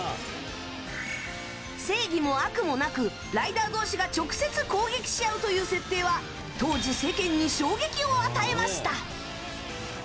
正義も悪もなく、ライダー同士が直接攻撃し合うという設定は当時、世間に衝撃を与えました。